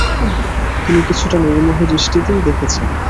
তিনি কিছুটা নির্মোহ দৃষ্টিতেই দেখেছেন।